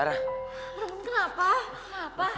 roman kenapa kenapa